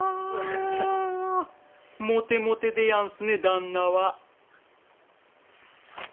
モテモテでやんすね旦那は。